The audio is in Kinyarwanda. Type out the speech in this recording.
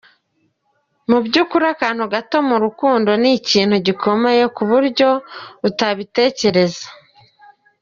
Mu by’ukuri akantu gato mu rukundo ni ikintu gikomeye ku buryo utabitekereza.